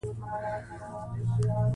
انار د افغانانو ژوند اغېزمن کوي.